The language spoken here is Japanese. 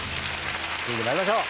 続いて参りましょう。